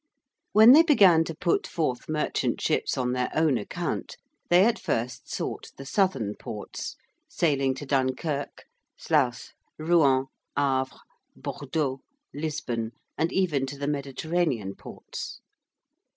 When they began to put forth merchant ships on their own account, they at first sought the southern ports, sailing to Dunquerque, Sluys, Rouen, Havre, Bordeaux, Lisbon, and even to the Mediterranean ports.